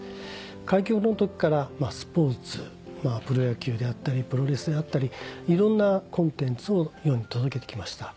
開局の時からスポーツプロ野球であったりプロレスであったりいろんなコンテンツを世に届けてきました。